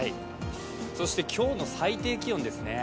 そして今日の最低気温ですね。